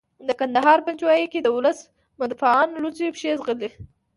په کندهار پنجوايي کې د ولس مدافعان لوڅې پښې ځغلي.